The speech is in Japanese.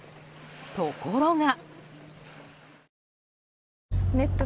ところが。